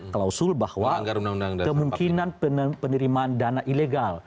klausul bahwa kemungkinan penerimaan dana ilegal